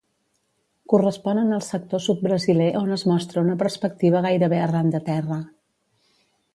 Corresponen al sector sud brasiler on es mostra una perspectiva gairebé arran de terra.